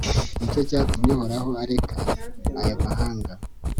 ni cyo cyatumye uhoraho areka ayo mahanga